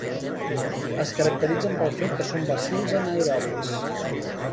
Es caracteritzen pel fet que són bacils anaeròbics.